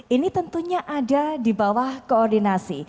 ini tentunya ada di bawah koordinasi